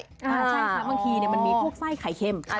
ใช่ค่ะบางทีมันมีพวกไส้ไข่เค็ม